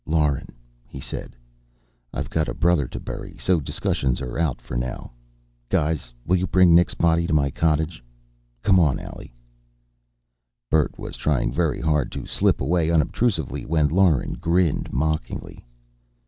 "Lauren," he said. "I've got a brother to bury. So discussions are out, for now. Guys, will you bring Nick's body to my cottage? Come on, Allie...." Bert was trying very hard to slip away unobtrusively when Lauren grinned mockingly.